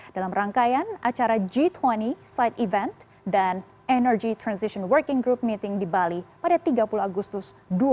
dalam rangkaian acara g dua puluh site event dan energy transition working group meeting di bali pada tiga puluh agustus dua ribu dua puluh